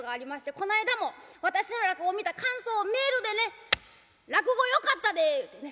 この間も私の落語見た感想をメールでね「落語よかったで」ってね。